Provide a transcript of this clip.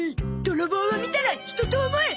泥棒を見たら人と思え。